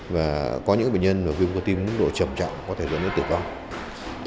và có những bệnh nhân viêm cơ tim đủ trầm trọng có thể dẫn đến tử vong